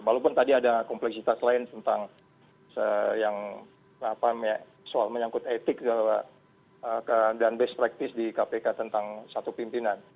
walaupun tadi ada kompleksitas lain tentang yang soal menyangkut etik dan best practice di kpk tentang satu pimpinan